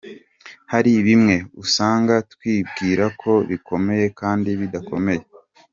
Hari bimwe usanga twibwira ko bikomeye kandi bidakomeye.